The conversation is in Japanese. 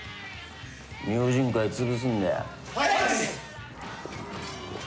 「明神会」潰すんだよ。